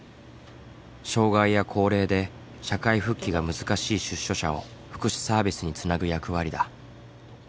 障害や高齢で社会復帰が難しい出所者を福祉サービスにつなぐ役割だ。